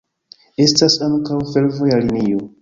Estas ankaŭ fervoja linio.